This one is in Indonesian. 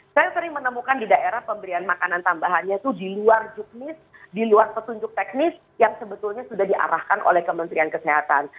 saya sering menemukan di daerah pemberian makanan tambahannya itu di luar juknis di luar petunjuk teknis yang sebetulnya sudah diarahkan oleh kementerian kesehatan